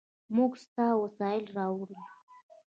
موږ ستا وسایل راوړل.